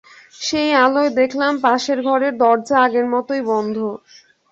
সেই আলোয় দেখলাম পাশের ঘরের দরজা আগের মতোই বন্ধ।